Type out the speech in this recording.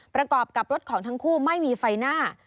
ประกอบกับรถของทั้งคู่ไม่มีไฟหน้า